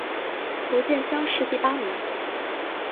福建乡试第八名。